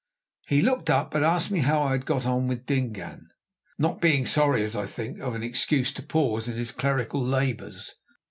He looked up, and asked me how I had got on with Dingaan, not being sorry, as I think, of an excuse to pause in his clerical labours.